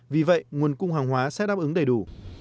vì vậy nguồn cung hàng hóa sẽ đáp ứng đầy đủ